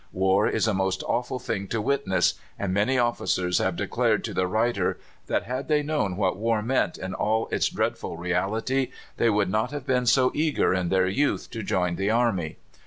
War is a most awful thing to witness, and many officers have declared to the writer that, had they known what war meant in all its dreadful reality, they would not have been so eager in their youth to join the army.